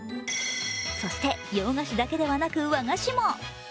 そして、洋菓子だけではなく和菓子も。